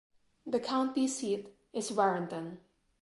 The county seat is Warrenton.